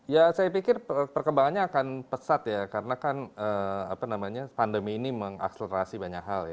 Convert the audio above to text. ya saya pikir perkembangannya akan pesat ya karena kan pandemi ini mengakselerasi banyak hal ya